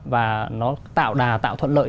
và nó tạo đà tạo thuận lợi